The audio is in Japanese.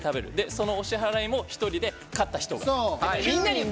そのお支払いも一人で買った人が。